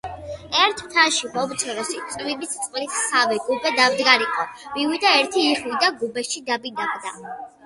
ერთ მთაში მომცროსი, წვიმის წყლით სავე გუბე დამდგარიყო. მივიდა ერთი იხვი და გუბეში დაბინავდა.